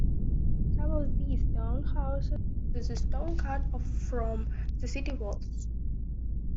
Some of these townhouses uses the stone cut off from the city walls.